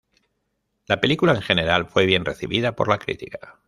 La película en general fue bien recibida por la crítica.